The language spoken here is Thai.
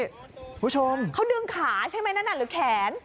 คุณผู้ชมเขาดึงขาใช่ไหมนั่นน่ะหรือแขน